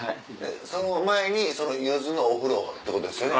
その前にその柚子のお風呂ってことですよね。